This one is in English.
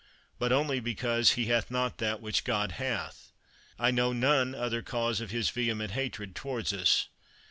but only because he hath not that which God hath. I know none other cause of his vehement hatred towards us.